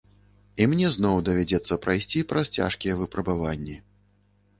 І мне зноў давядзецца прайсці праз цяжкія выпрабаванні.